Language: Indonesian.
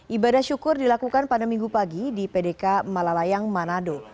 ibadah syukur dilakukan pada minggu pagi di pdk malalayang manado